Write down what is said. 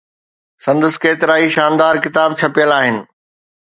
سندس ڪيترائي شاندار ڪتاب ڇپيل آهن.